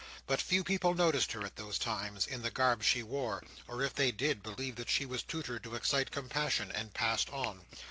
But few people noticed her at those times, in the garb she wore: or if they did, believed that she was tutored to excite compassion, and passed on.